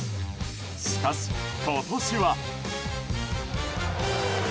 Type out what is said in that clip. しかし、今年は。